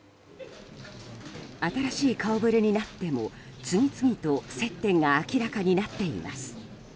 新しい顔ぶれになっても次々と接点が明らかになっています。